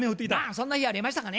そんな日ありましたかね？